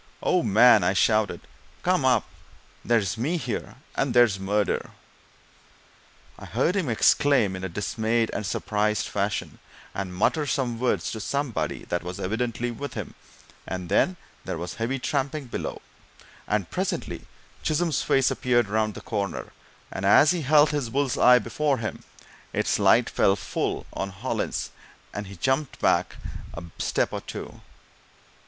"Oh, man!" I shouted, "come up! There's me here and there's murder!" I heard him exclaim in a dismayed and surprised fashion, and mutter some words to somebody that was evidently with him, and then there was heavy tramping below, and presently Chisholm's face appeared round the corner; and as he held his bull's eye before him, its light fell full on Hollins, and he jumped back a step or two.